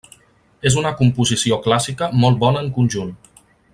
És una composició clàssica molt bona en conjunt.